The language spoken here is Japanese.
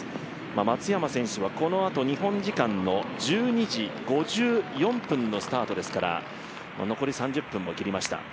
松山選手はこのあと日本時間の１２時５４分のスタートですから、残り３０分を切りました。